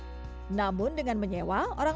sekarang sebuah sepannel ladi berkapa